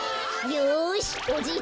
よしおじいちゃんいくぞ。